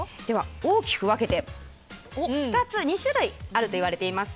大きく分けて、２種類あるといわれています。